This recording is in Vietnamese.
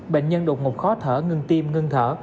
bệnh nhân đột ngột khó thở ngưng tim ngưng thở